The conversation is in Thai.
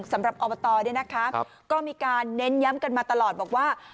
สำหรับอบตเนี่ยนะคะก็มีการเน้นย้ำกันมาตลอดบอกว่า